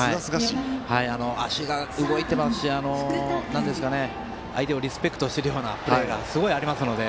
足が動いていますし相手をリスペクトしているようなプレーがすごくありますので。